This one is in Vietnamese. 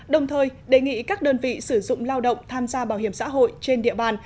đồng thời đề nghị các đơn vị sử dụng lao động tham gia bảo hiểm xã hội trên địa bàn